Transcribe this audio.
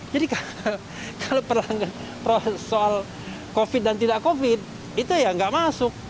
jadi kalau perlanggan soal covid dan tidak covid itu ya nggak masuk